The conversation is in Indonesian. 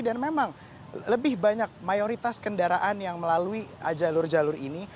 dan memang lebih banyak mayoritas kendaraan yang melalui jalur jalur ini